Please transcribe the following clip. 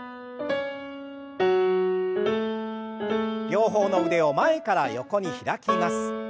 両方の腕を前から横に開きます。